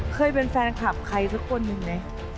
เคยเป็นแฟนคลับใครสักคนหนึ่งไหม